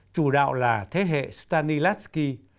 chủ đạo là thế hệ stanislavski